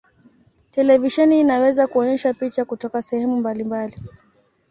Televisheni inaweza kuonyesha picha kutoka sehemu mbalimbali.